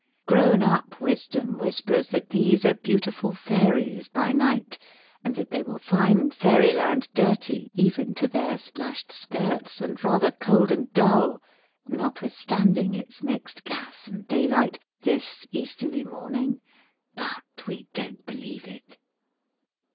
Grown up wisdom whispers that these are beautiful fairies by night, and that they will find Fairy Land dirty even to their splashed skirts, and rather cold and dull (notwithstanding its mixed gas and daylight), this easterly morning. But, we don't believe it.